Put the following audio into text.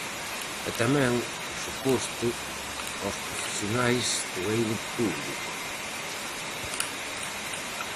E tamén, por suposto, aos profesionais do eido público.